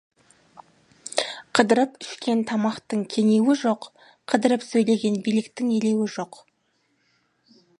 Қыдырып ішкен тамақтың кенеуі жоқ, қыдырып сөйлеген биліктің елеуі жоқ.